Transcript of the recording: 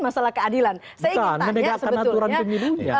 masalah keadilan saya ingin tanya sebetulnya